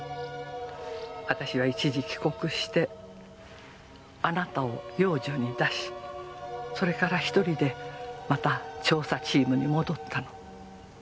私は一時帰国してあなたを養女に出しそれから１人でまた調査チームに戻ったの。